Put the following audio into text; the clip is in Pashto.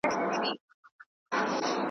هدیره دي د غلیم سه ماته مه ګوره قبرونه .